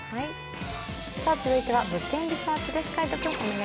続いては「物件リサーチ」です。